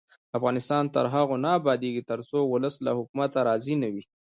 افغانستان تر هغو نه ابادیږي، ترڅو ولس له حکومته راضي نه وي.